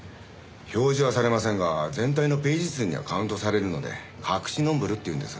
表示はされませんが全体のページ数にはカウントされるので隠しノンブルっていうんです。